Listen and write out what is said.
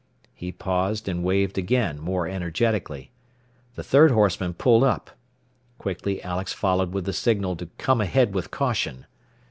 He paused, and waved again, more energetically. The third horseman pulled up. Quickly Alex followed with the signal to "come ahead with caution."